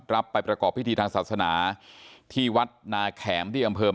ไปประกอบพิธีทางศาสนาที่วัดนาแขมที่อำเภอ